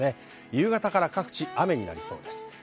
夕方は各地、雨となりそうです。